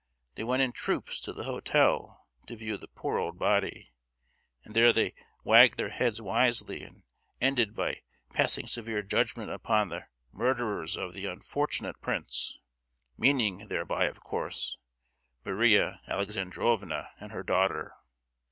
They went in troops to the hotel to view the poor old body, and there they wagged their heads wisely and ended by passing severe judgment upon "the murderers of the unfortunate Prince,"—meaning thereby, of course, Maria Alexandrovna and her daughter.